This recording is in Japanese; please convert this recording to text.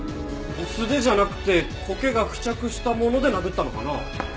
素手じゃなくて苔が付着した物で殴ったのかな？